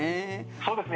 そうですね。